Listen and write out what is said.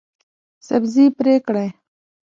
سبزي پرې کړئ